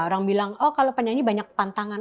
orang bilang oh kalau penyanyi banyak pantangan